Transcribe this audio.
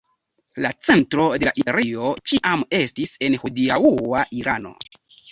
La centro de la imperio ĉiam estis en hodiaŭa Irano.